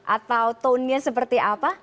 atau tonenya seperti apa